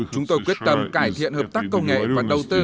chúng tôi quyết tâm cải thiện hợp tác công nghệ và đầu tư